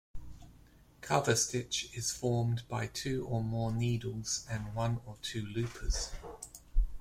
Coverstitch is formed by two or more needles and one or two loopers.